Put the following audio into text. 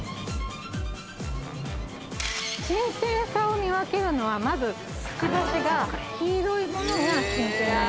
新鮮さを見分けるのはまずくちばしが黄色いものが新鮮なんですね。